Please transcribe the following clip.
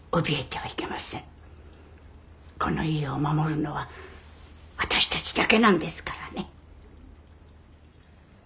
この家を守るのは私たちだけなんですからね。